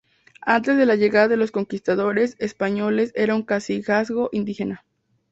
Antes de la llegada de los conquistadores españoles era un cacicazgo indígena.